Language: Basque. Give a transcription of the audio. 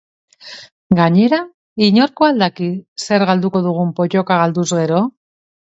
Gainera, inork ba al daki zer galduko dugun pottoka galduz gero?